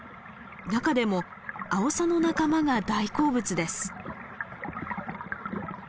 中でもアオサの仲間が大好物です。